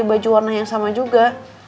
baju warna yang sama juga